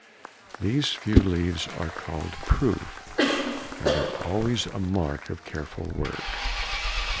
These few leaves are called proof, and are always a mark of careful work.